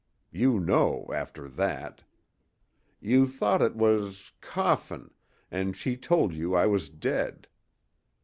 You know after that. You thought it was coffin an' she told you I was dead.